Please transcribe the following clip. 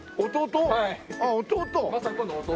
弟？